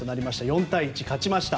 ４対１、勝ちました。